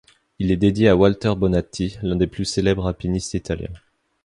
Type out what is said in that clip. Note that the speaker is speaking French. Il est dédié à Walter Bonatti, l'un des plus célèbres alpinistes italiens.